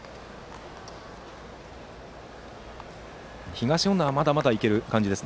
東恩納はまだまだ行ける感じです。